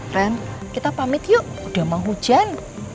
trend kita pamit yuk udah mau hujan